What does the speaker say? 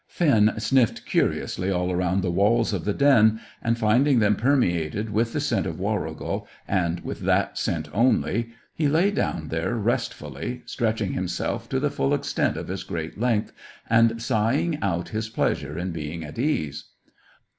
Finn sniffed curiously all round the walls of the den and, finding them permeated with the scent of Warrigal and with that scent only, he lay down there restfully, stretching himself to the full extent of his great length, and sighing out his pleasure in being at ease.